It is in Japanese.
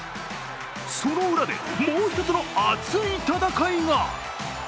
その裏で、もう一つの熱い戦いが！